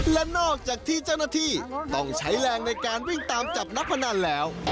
และนอกจากที่เจ้าหน้าที่ต้องใช้แรงในการวิ่งตามจับนักพนันแล้ว